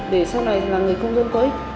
để sau này là người công dân có ích